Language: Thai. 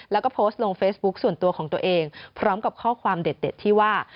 แล้วก็โพสต์ลงเฟซบุ๊คส่วนตัวของตัวเองพร้อมกับข้อความเด็ดที่ว่า